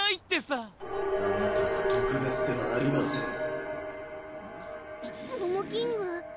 あなたは特別ではありませんモモキング。